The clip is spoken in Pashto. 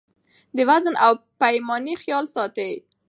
د وزن او پیمانې خیال ساتئ.